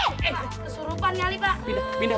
kesurupan nyali pak